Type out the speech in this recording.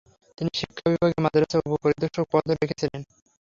তিনি শিক্ষা বিভাগে মাদ্রাসার উপ-পরিদর্শক পদও রেখেছিলেন।